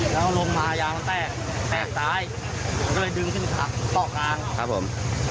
แล้วลงมายางแตกแตกตายมันก็เลยดึงขึ้นขับต้อกลางครับผม